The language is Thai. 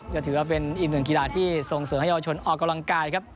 ก็ถือว่าเป็นอีกหนึ่งกีฬาที่ส่งเสริมให้เยาวชนออกกำลังกายครับ